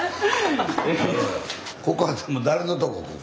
ここは誰のとこ？